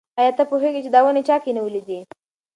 ایا ته پوهېږې چې دا ونې چا کینولي دي؟